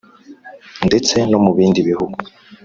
ndetse no mu bindi bihugu